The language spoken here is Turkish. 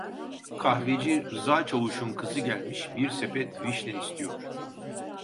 Kahveci Rıza Çavuş'un kızı gelmiş, bir sepet vişne istiyor!